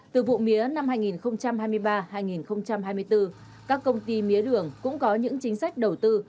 từ vụ mía năm hai nghìn hai mươi ba hai nghìn hai mươi bốn các công ty mía đường cũng có những chính sách đầu tư